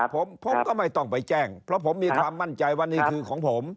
ผมก็ไม่ต้องไปแจ้งเพราะผมมีความมั่นใจว่านี่คือของผม